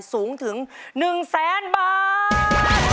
สูงถึง๑แสนบาท